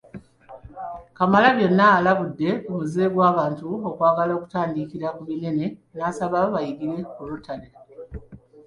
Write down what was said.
Kamalabyonna alabudde ku muze gw’abantu okwagala okutandikira ku binene n’asaba bayigire ku Rotary